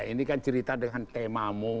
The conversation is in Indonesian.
ini kan cerita dengan temamu